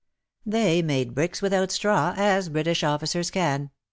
They made bricks without straw as British officers can.